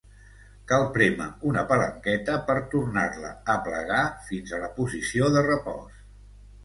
Cal prémer una palanqueta per tornar-la a plegar fins a la posició de repòs.